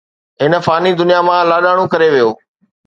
هن فاني دنيا مان لاڏاڻو ڪري ويو